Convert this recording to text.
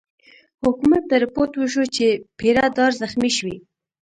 حکومت ته رپوټ وشو چې پیره دار زخمي شوی.